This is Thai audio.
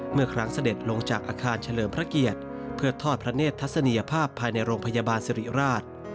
เมื่อครั้งเสด็จลงจากอาคารเฉลิมพระเกียรติเพื่อทอดพระเนธทัศนียภาพภายในโรงพยาบาลสิริราช